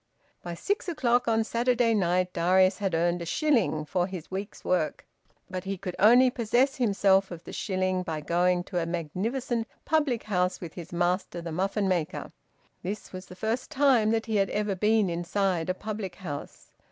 By six o'clock on Saturday night Darius had earned a shilling for his week's work. But he could only possess himself of the shilling by going to a magnificent public house with his master the muffin maker. This was the first time that he had ever been inside a public house.